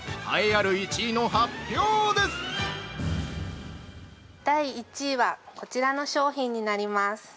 ◆第１位はこちらの商品になります。